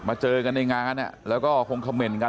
มาเจอกันในงานเนี่ยแล้วก็คงคำเม่นกัน